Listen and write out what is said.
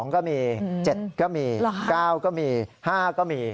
ก็มี๗ก็มี๙ก็มี๕ก็มี